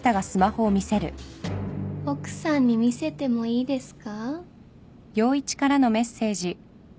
奥さんに見せてもいいですか？